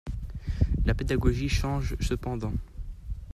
La pédagogie change cependant.